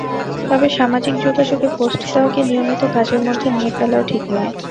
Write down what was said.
তবে সামাজিক যোগাযোগে পোস্ট দেওয়াকে নিয়মিত কাজের মধ্যে নিয়ে ফেলাও ঠিক নয়।